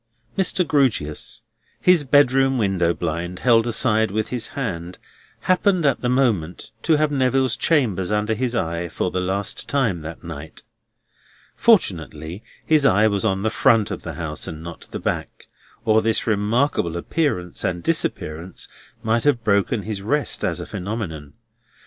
Mr. Grewgious, his bedroom window blind held aside with his hand, happened at the moment to have Neville's chambers under his eye for the last time that night. Fortunately his eye was on the front of the house and not the back, or this remarkable appearance and disappearance might have broken his rest as a phenomenon.